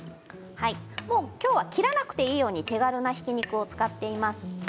今日は切らなくていいように手軽なひき肉を使っています。